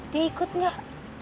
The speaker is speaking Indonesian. dia ikut gak